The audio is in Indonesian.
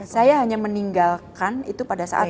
saya hanya meninggalkan itu pada saat